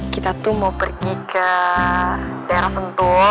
kita tuh mau pergi ke daerah sentul